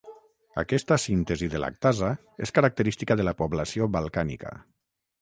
Aquesta síntesi de lactasa és característica de la població balcànica.